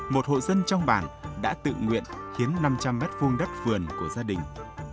một hộ dân trong bản đã tự nguyện hiến năm trăm linh m hai đất vườn của gia đình